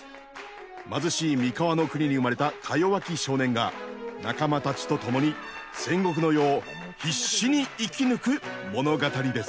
貧しい三河の国に生まれたかよわき少年が仲間たちと共に戦国の世を必死に生き抜く物語です。